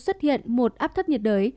xuất hiện một át thấp nhiệt đới